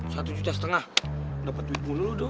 satu juta setengah dapet duitmu dulu dodo